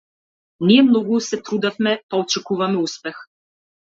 Ние многу се трудевме па очекуваме успех.